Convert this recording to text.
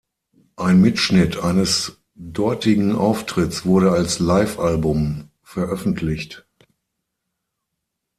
Ein Mitschnitt eines dortigen Auftritts wurde als Livealbum veröffentlicht.